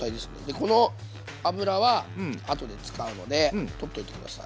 この油は後で使うので取っといて下さい。